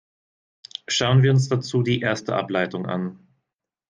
Schauen wir uns dazu die erste Ableitung an.